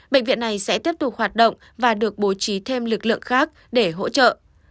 bệnh viện này sẽ tiếp tục hoạt động và được bố trí thêm lực lượng khác để hỗ trợ